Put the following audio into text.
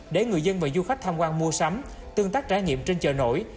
để người dân và du khách tham quan mua sắm tương tác trải nghiệm trên chợ nổi